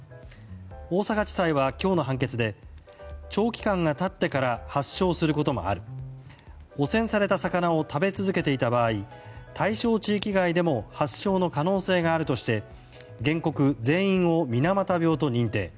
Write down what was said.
大阪地裁は今日の判決で長期間が経ってから発症することもある汚染された魚を食べ続けていた場合対象地域外でも発症の可能性があるとして原告全員を水俣病と認定。